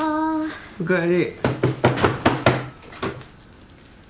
おかえり。